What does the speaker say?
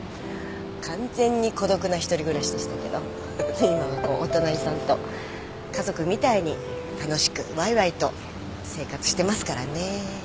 完全に孤独な一人暮らしでしたけど今はこうお隣さんと家族みたいに楽しくわいわいと生活してますからね。